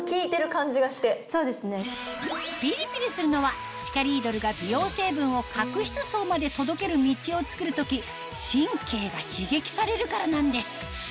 ピリピリするのはシカリードルが美容成分を角質層まで届ける道をつくる時神経が刺激されるからなんです